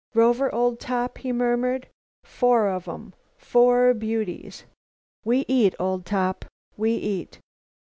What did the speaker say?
"Rover, old top," he murmured, "four of em; four beauties! We eat, old top! We eat!"